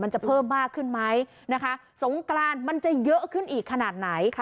จะเพิ่มมากขึ้นไหมนะคะสงกรานมันจะเยอะขึ้นอีกขนาดไหน